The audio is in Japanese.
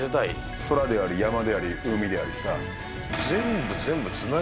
空であり、山であり、海でありさ。